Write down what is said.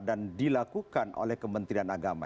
dan dilakukan oleh kementerian agama